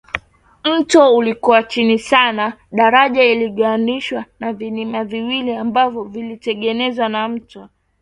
Mto ulikuwa chini sana daraja liliunganishwa na vilima viwili ambayo vilitengwa na mto